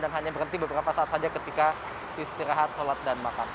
dan hanya berhenti beberapa saat saja ketika istirahat sholat dan makan